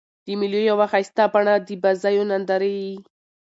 د مېلو یوه ښایسته بڼه د بازيو نندارې يي.